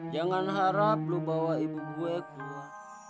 jangan harap lo bawa ibu gue keluar